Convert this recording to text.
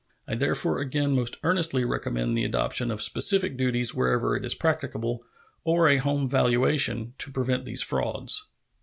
I therefore again most earnestly recommend the adoption of specific duties wherever it is practicable, or a home valuation, to prevent these frauds.